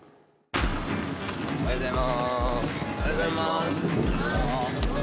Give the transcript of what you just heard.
おはようございます。